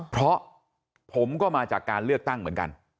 เพราะผมก็มาจากการเลือกตั้งเหมือนกัน